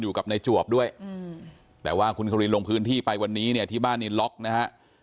อยู่กับในจวบด้วยแต่ว่าคุณควินลงพื้นที่ไปวันนี้เนี่ยที่บ้านนี้ล็อกนะฮะ